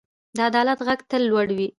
د عدالت غږ تل لوړ ساتئ.